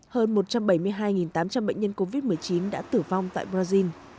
hơn một trăm bảy mươi hai tám trăm linh bệnh nhân covid một mươi chín đã tử vong tại brazil